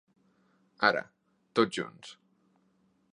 Ara, tots junts.